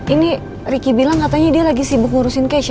ini riki bilang katanya dia lagi sibuk urusin kece